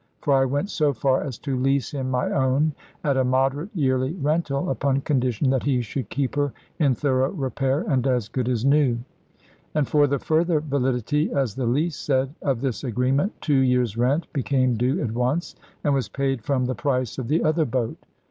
For I went so far as to lease him my own, at a moderate yearly rental, upon condition that he should keep her in thorough repair and as good as new. And for the further validity (as the lease said) of this agreement, two years' rent became due at once, and was paid from the price of the other boat.